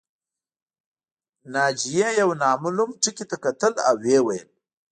ناجیې یو نامعلوم ټکي ته کتل او ویې ویل